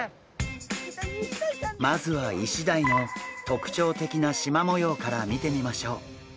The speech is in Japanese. まずはイシダイの特徴的なしま模様から見てみましょう。